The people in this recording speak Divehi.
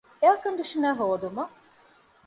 އެއަރ ކޮންޑިޝަނަރ ހޯދުމަށް